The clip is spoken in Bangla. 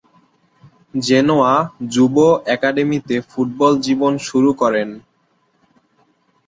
জেনোয়া যুব অ্যাকাডেমিতে ফুটবল জীবন শুরু করেন।